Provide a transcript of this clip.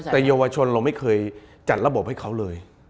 แต่เยาวชนเราไม่เคยจัดระบบให้เขาเลย